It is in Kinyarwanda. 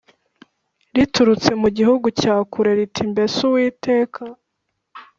riturutse mu gihugu cya kure riti Mbese Uwiteka